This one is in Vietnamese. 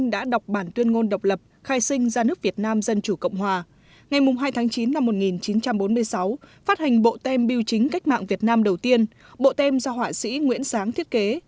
đây là bộ tem do họa sĩ nguyễn sáng thiết kế